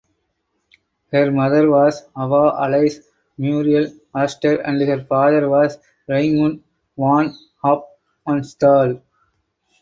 Her mother was Ava Alice Muriel Astor and her father was Raimund von Hofmannsthal.